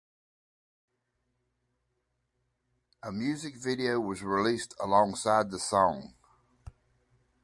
A music video was released alongside the song.